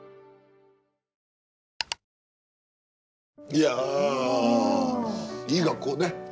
いやいい学校ね。